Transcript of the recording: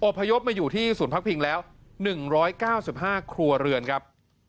พยพมาอยู่ที่ศูนย์พักพิงแล้ว๑๙๕ครัวเรือนครับ